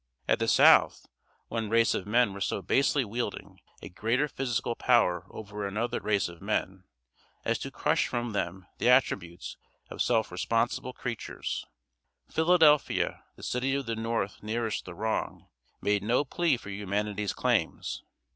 At the South, one race of men were so basely wielding a greater physical power over another race of men, as to crush from them the attributes of self responsible creatures; Philadelphia, the city of the North nearest the wrong, made no plea for humanity's claims.